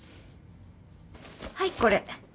はいこれ。